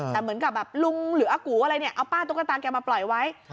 แต่เหมือนกับแบบลุงหรืออากูอะไรเนี่ยเอาป้าตุ๊กตาแกมาปล่อยไว้